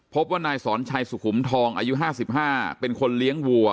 พบว่านายสอนชัยสุขุมทองอายุ๕๕เป็นคนเลี้ยงวัว